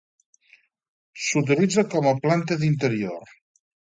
S'utilitza com planta d'interior.